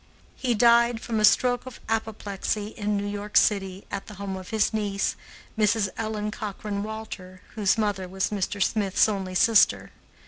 He died from a stroke of apoplexy in New York city, at the home of his niece, Mrs. Ellen Cochrane Walter, whose mother was Mr. Smith's only sister.